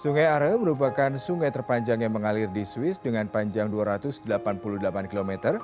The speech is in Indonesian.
sungai are merupakan sungai terpanjang yang mengalir di swiss dengan panjang dua ratus delapan puluh delapan km